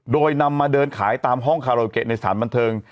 โดยนำมาเดินขายตามห้องคาโรเกะในสถานบันเทิง